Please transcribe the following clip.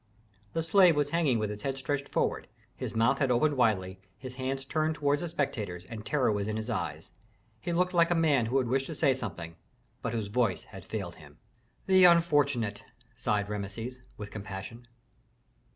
The slave was hanging with his head stretched forward; his mouth was opened widely, his hands turned toward the spectators, and terror was in his eyes. He looked like a man who had wished to say something, but whose voice had failed him. "The unfortunate!" sighed Rameses, with compassion.